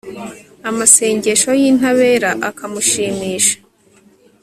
amasengesho y'intabera akamushimisha